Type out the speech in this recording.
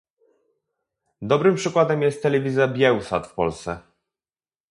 Dobrym przykładem jest telewizja Biełsat w Polsce